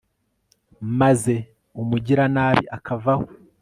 maze umugiranabi akavaho